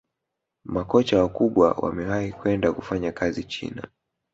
makocha wakubwa wamewahi kwenda kufanya kazi china